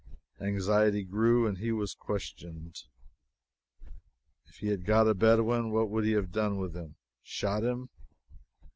Anxiety grew, and he was questioned. If he had got a Bedouin, what would he have done with him shot him?